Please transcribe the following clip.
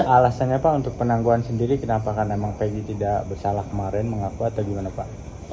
alasannya pak untuk penangguhan sendiri kenapa karena memang pg tidak bersalah kemarin mengaku atau gimana pak